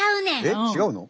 えっ違うの？